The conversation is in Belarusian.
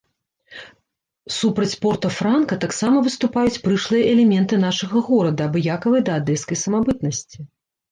Супраць порта-франка таксама выступаюць прышлыя элементы нашага горада, абыякавыя да адэскай самабытнасці.